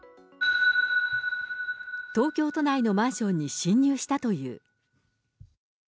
東京都内のマンションに侵入したという。